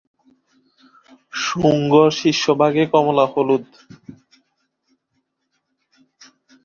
শুঙ্গ শীর্ষভাগে কমলা-হলুদ।